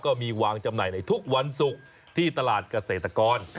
ก็มีวางจำหน่ายในทุกวันศุกร์ที่ตลาดเกษตรกร